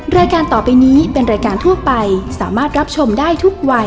รายการต่อไปนี้เป็นรายการทั่วไปสามารถรับชมได้ทุกวัย